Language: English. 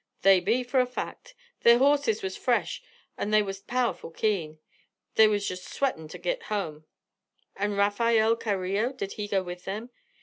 "They be, for a fact. Their horses was fresh and they was powerful keen. They was just sweaten' to git home." "And Rafael Carillo? Did he go with them?"